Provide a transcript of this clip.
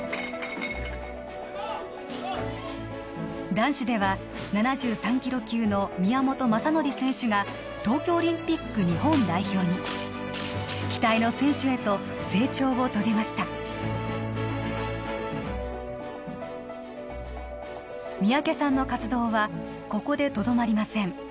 男子では７３ｋｇ級の宮本昌典選手が東京オリンピック日本代表に期待の選手へと成長を遂げました三宅さんの活動はここでとどまりません